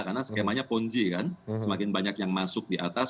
karena skemanya ponzi kan semakin banyak yang masuk di atas